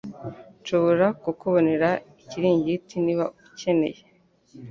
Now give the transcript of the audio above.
Nshobora kukubonera ikiringiti niba ukeneye